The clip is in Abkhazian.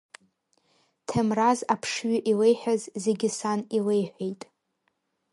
Ҭемраз аԥшҩы илеиҳәаз зегьы сан илеиҳәеит.